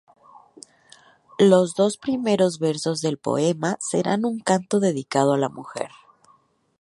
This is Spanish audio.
Los dos primeros versos del poema serán un canto dedicado a la mujer.